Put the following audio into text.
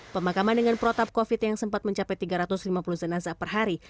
pemakaman dengan protap covid yang sempat mencapai tiga ratus lima puluh jenazah per hari